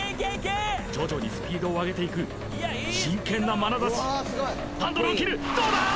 徐々にスピードを上げていく真剣なまなざしハンドルを切るどうだー！？